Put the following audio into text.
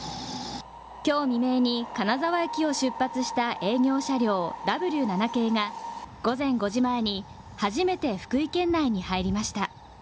きょう未明に金沢駅を出発した営業車両、Ｗ７系が、午前５時前に、初めて福井県内に入りました。